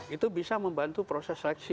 itu bisa membantu proses seleksi